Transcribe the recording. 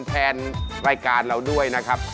แทนรายการเราด้วยนะครับ